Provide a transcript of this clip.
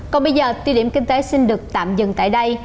còn bây giờ ti điểm kinh tế xin được tạm dừng tại đây